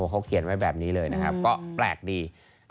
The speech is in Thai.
เขาเขียนไว้แบบนี้เลยนะครับก็แปลกดี